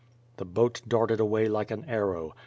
The l)oat darted away like an arrow.